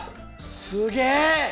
すげえ！